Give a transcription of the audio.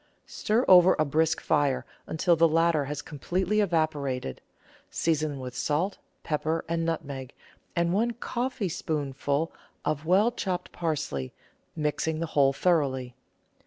Stir over a brisk fire until the latter has completely evaporated; season with salt, pepper, and nutmeg, and one coffeespoonful of well chopped parsley, mixing the whole thoroughly.